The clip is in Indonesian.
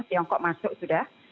tiongkok masuk sudah